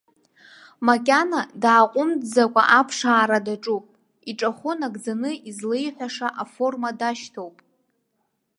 Макьана дааҟәымҵӡакәа аԥшаара даҿуп, иҿахәы нагӡаны излеиҳәаша аформа дашьҭоуп.